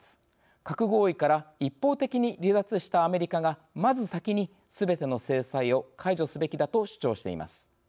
核合意から一方的に離脱したアメリカが、まず先にすべての制裁を解除すべきだと主張しています。